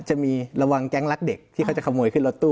จะมีระวังแก๊งรักเด็กที่เขาจะขโมยขึ้นรถตู้